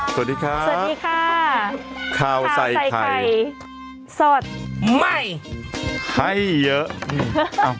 สวัสดีค่ะสวัสดีค่ะข้าวใส่ไข่สดใหม่ให้เยอะ